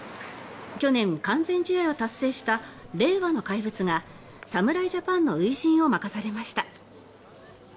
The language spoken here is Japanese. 去年、完全試合を達成した令和の怪物が侍ジャパンの初陣を任されました。